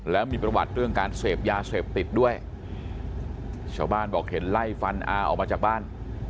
แล้วมีประวัติเรื่องการเสพยาเสพติดด้วยชาวบ้านบอกเห็นไล่ฟันอาออกมาจากบ้าน